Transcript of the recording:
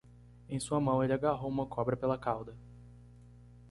Em sua mão? ele agarrou uma cobra pela cauda.